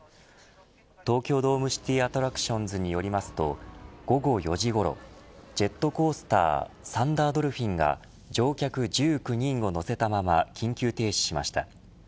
東京ドームシティ・アトラクションズによりますと午後４時ごろジェットコースターサンダードルフィンが乗客１９人を乗せたまま緊急停止しました。